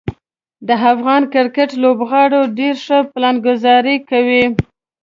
د افغان کرکټ لوبغاړو ډیر ښه پلانګذاري کوي.